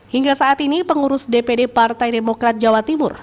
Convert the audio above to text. hingga saat ini pengurus dpd partai demokrat jawa timur